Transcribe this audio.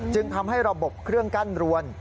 จึงทำให้ระบบเครื่องกั้นรวน